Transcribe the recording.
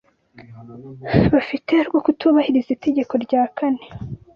bafite rwo kutubahiriza itegeko rya kane